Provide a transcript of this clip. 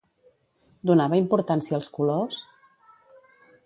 Donava importància als colors?